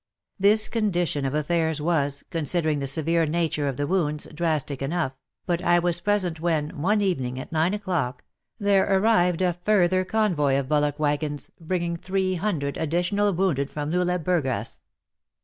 This condition of affairs was, considering the severe nature of the wounds, drastic enough, but I was present when, one evening at nine o'clock, there arrived a further convoy of bullock waggons, bringing 300 additional wounded from Lule Burgas